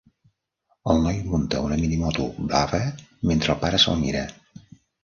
El noi munta una minimoto blava mentre el pare se'l mira.